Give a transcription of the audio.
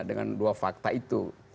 dengan dua fakta itu